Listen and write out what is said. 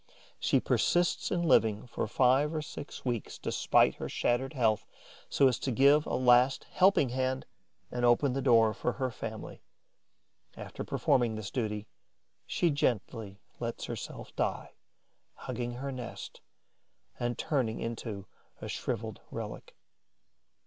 She persists in living for five or six weeks, despite her shattered health, so as to give a last helping hand and open the door for her family. After performing this duty, she gently lets herself die, hugging her nest and turning into a shrivelled relic.